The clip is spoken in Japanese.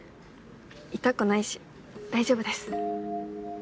痛くないし大丈夫です。